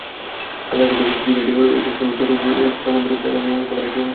চাঁদের কক্ষপথের চেয়ে এটি ছয়গুণ দূরে থাকায় খালি চোখে এটি দেখা যায়নি।